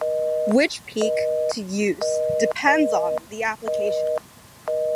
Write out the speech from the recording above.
Which peak to use depends on the application.